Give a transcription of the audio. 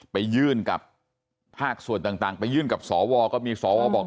ไปยื่นกับภาคส่วนต่างไปยื่นกับสวก็มีสวบอก